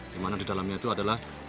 di mana di dalamnya itu ada